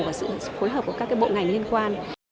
và sự phối hợp của các bộ ngành liên quan